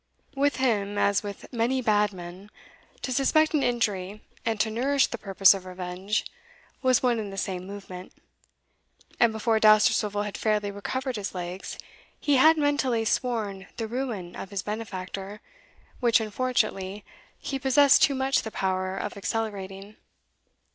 With him, as with many bad men, to suspect an injury, and to nourish the purpose of revenge, was one and the same movement. And before Dousterswivel had fairly recovered his legs, he had mentally sworn the ruin of his benefactor, which, unfortunately, he possessed too much the power of accelerating.